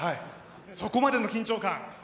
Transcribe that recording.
そこまでの緊張感